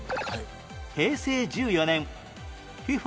平成１４年 ＦＩＦＡ